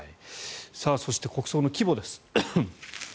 そして、国葬の規模です。